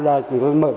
không không có gì hết